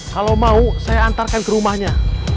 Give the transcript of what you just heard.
kalau mau saya antarkan ke rumahnya